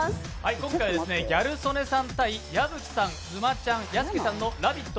今回、ギャル曽根さん対矢吹さん、大沼さん、屋敷さんのラヴィット！